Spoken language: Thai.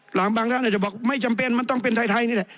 บางท่านอาจจะบอกไม่จำเป็นมันต้องเป็นไทยนี่แหละ